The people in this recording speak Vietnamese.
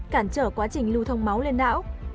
cản trở quá trình lưu thông máu lên não